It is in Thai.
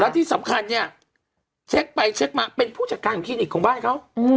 ที่สำคัญเนี่ยเช็คไปเช็คมาเป็นผู้จัดการคลินิกของบ้านเขา